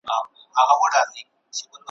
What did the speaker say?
يوه ورځ ملا په خپل كور كي بيده وو ,